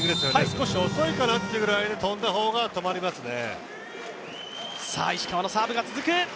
少し遅いかなぐらいで跳んだ方が止まりますね。